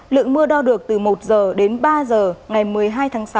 lượng mưa đau được từ một giờ đến ba giờ ngày một mươi hai tháng sáu